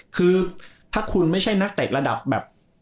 คือถ้าคุณไม่ใช่นักเตะระดับแบบ